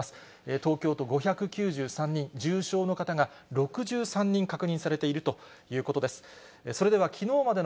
東京都５９３人、重症の方が６３人確認されているということです。